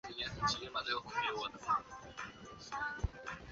它具有不需拆卸反应舱就可以清除舱壁附着的半导体物质这一优点。